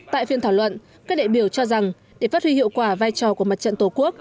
tại phiên thảo luận các đại biểu cho rằng để phát huy hiệu quả vai trò của mặt trận tổ quốc